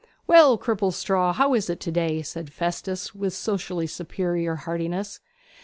'Well, Cripplestraw, how is it to day?' said Festus, with socially superior heartiness.